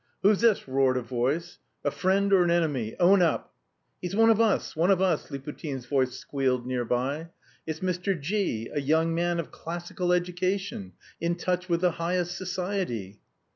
"Who's this?" roared a voice, "a friend or an enemy? Own up!" "He's one of us; one of us!" Liputin's voice squealed near by. "It's Mr. G v, a young man of classical education, in touch with the highest society."